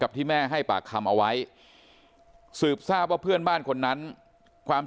ที่แม่ให้ปากคำเอาไว้สืบทราบว่าเพื่อนบ้านคนนั้นความ